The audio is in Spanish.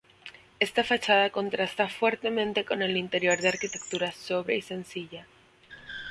Esta fachada contrasta fuertemente con el interior de arquitectura sobria y sencilla.